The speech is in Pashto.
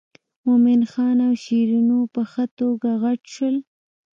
مومن خان او شیرینو په ښه توګه غټ شول.